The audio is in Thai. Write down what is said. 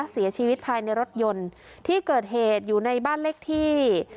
เสียชีวิตภายในรถยนต์ที่เกิดเหตุอยู่ในบ้านเลขที่